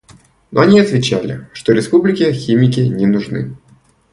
Но они отвечали, что республике химики не нужны.